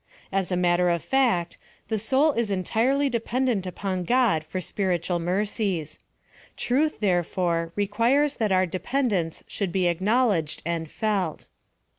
As a matter of fact, the soul is entirely dependent upon God for spiritual mercies : truth, therefore, requires that our depend ence should be acknowledged and felt.